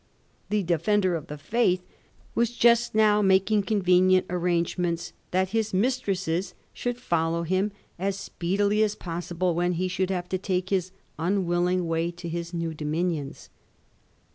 The * Defender of the Faith ' was just now making convenient arrange ments that his mistresses should follow him as speedily as possible when he should have to take his unwilling way to his new dominions.